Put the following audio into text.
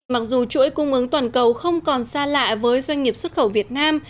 mặc dù chuỗi cung ứng toàn cầu không còn xa lạ với doanh nghiệp xuất khẩu việt nam